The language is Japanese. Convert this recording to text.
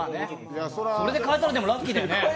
それで買えたら、ラッキーだよね。